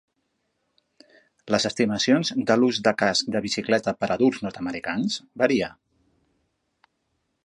Les estimacions de l'ús de casc de bicicleta per adults nord-americans varien.